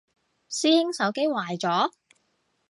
師兄手機壞咗？